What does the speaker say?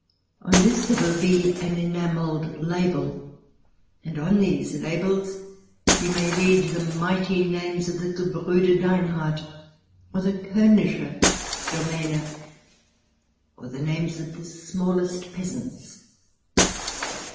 On this there will be an enamelled label, and on these labels you may read the mighty names of the Gebrue der Deinhard or the Koenigliche Domaene, or the names of the smallest peasants.